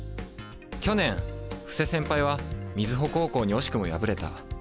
去年布施先輩は瑞穂高校に惜しくも敗れた。